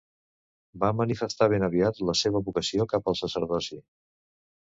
Va manifestar ben aviat la seva vocació cap al sacerdoci.